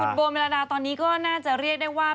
คุณโบเมลาดาตอนนี้ก็น่าจะเรียกได้ว่า